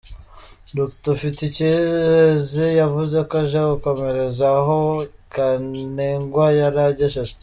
Dr Ufitikirezi yavuze ko aje gukomereza aho Kantengwa yari agejeje.